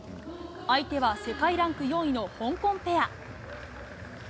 相手は世界ランク４位の香港ペア。